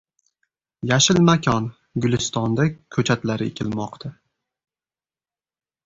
“Yashil makon”: Gulistonda ko‘chatlar ekilmoqda